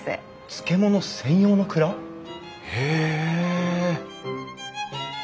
漬物専用の蔵！？へえ！